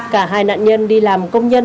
cả hai nạn nhân đi làm công nhân